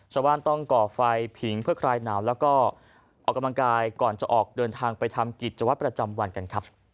ชาวบ้านต้องก่อไฟผิงเพื่อคลายหนาวแล้วก็ออกกำลังกายก่อนจะออกเดินทางไปทำกิจวัตรประจำวันกันครับ